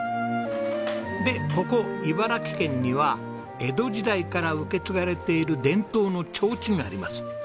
でここ茨城県には江戸時代から受け継がれている伝統の提灯があります。